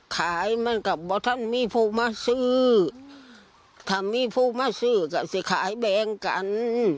เหมือนกับว่าท่านมีผู้มาซื้อถ้ามีผู้มาซื้อก็สิขายแบงกัน